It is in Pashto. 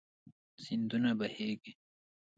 سيندونه بهيږي